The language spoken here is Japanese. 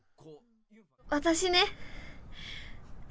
私ね。